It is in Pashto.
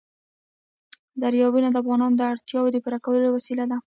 دریابونه د افغانانو د اړتیاوو د پوره کولو وسیله ده.